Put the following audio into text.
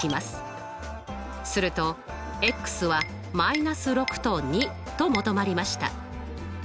するとは−６と２と求まりました。